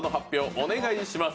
お願いします。